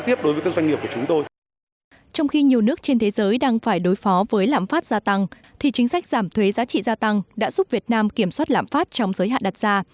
trong khi nhiều nước trên thế giới đang phải đối phó với lãm phát gia tăng thì chính sách giảm thuế giá trị gia tăng đã giúp việt nam kiểm soát lãm phát trong giới hạn đặt ra